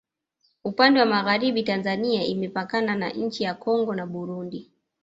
upande wa magharibi tanzania imepakana na nchi ya kongo na burundi